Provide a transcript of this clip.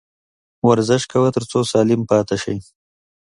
ورزش کوه ، تر څو سالم پاته سې